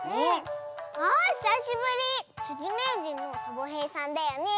あひさしぶり！つりめいじんのサボへいさんだよね。